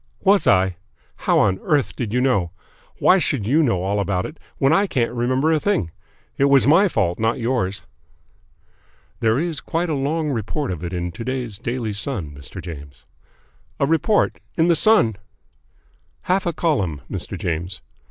"Was I? How on earth did you know? Why should you know all about it when I can't remember a thing? It was my fault, not yours." "There is quite a long report of it in to day's Daily Sun, Mr. James." "A report? In the Sun?" "Half a column, Mr. James.